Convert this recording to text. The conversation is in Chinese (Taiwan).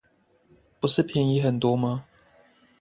不是便宜很多嗎